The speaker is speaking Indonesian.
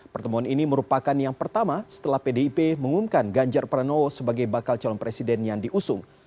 pertemuan ini merupakan yang pertama setelah pdip mengumumkan ganjar pranowo sebagai bakal calon presiden yang diusung